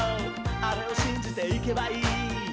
あれをしんじていけばいい」